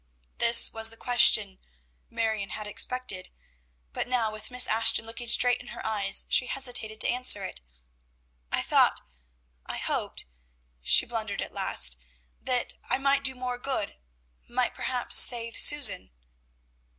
This was the question Marion had expected; but now, with Miss Ashton looking straight in her eyes, she hesitated to answer it. "I thought I hoped," she blundered at last, "that I might do more good, might, perhaps, save Susan."